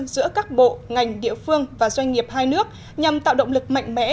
giữa các bộ ngành địa phương và doanh nghiệp hai nước nhằm tạo động lực mạnh mẽ